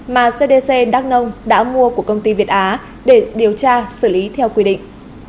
mà cdc đắk nông đã mua của công ty việt á để điều tra xử lý theo quy định